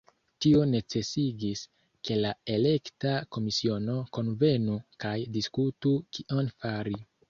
Tio necesigis, ke la elekta komisiono kunvenu kaj diskutu kion fari.